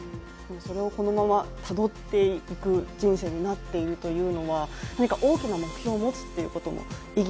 それをこのままたどっていく人生になっているというのは何か大きな目標を持つということの意義